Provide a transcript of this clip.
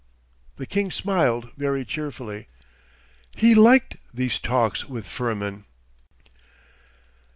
The king smiled very cheerfully. He liked these talks with Firmin.